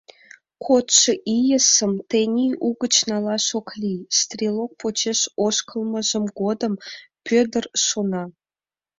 Кодшо ийысым тений угыч налаш ок лий», — стрелок почеш ошкылмыж годым Пӧдыр шона.